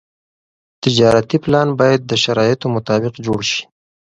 تجارتي پلان باید د شرایطو مطابق جوړ شي.